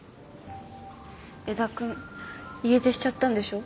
江田君家出しちゃったんでしょ？